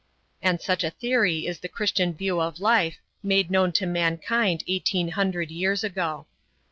And such a theory is the Christian view of life made known to mankind eighteen hundred years ago.